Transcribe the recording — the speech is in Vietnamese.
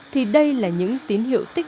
thì đây là những tín hiệu tích